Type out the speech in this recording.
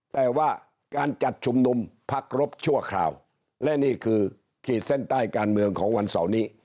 แต่ว่าการจัดชุมนุมพักรบชั่วคราวและนี่คือขีดเส้นใต้การเมืองของวันเสาร์นี้